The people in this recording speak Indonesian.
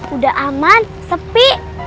udah aman sepi